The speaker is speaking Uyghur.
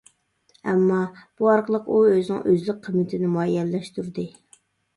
ئەمما بۇ ئارقىلىق ئۇ ئۆزىنىڭ ئۆزلۈك قىممىتىنى مۇئەييەنلەشتۈردى.